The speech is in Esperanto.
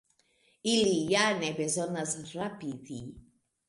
Ili ja ne bezonas rapidi.